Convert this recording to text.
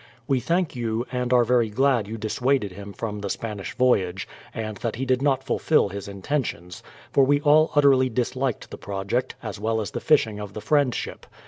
We thank you, and are very glad you dissuaded him from the Spanish voyage, and that he did not fulfill his intentions ; for we all utterly disliked the project, as well as the fishing of the Friendship.